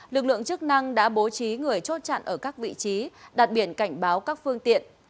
lực lượng chức năng đã bố trí người chốt chặn ở các vị trí đặt biển cảnh báo các phương tiện